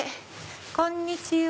こんにちは。